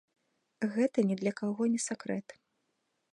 Гэта ні для каго не сакрэт.